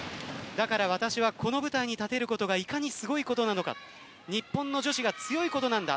だから、私はこの舞台に立てることがいかにすごいことなのか日本の女子が強いことなんだ。